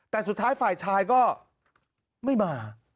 แต่สุดท้ายฝ่ายชายก็ไม่มา